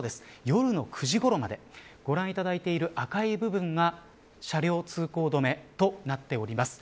夜の９時ごろまでご覧いただいている赤い部分が車両通行止めとなっております。